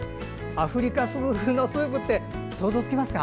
アフリカ風のスープって想像つきますか？